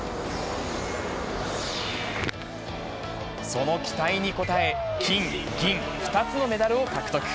その期待に応え、金、銀２つのメダルを獲得。